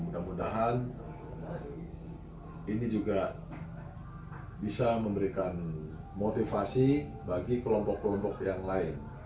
dan mudah mudahan ini juga bisa memberikan motivasi bagi kelompok kelompok yang lain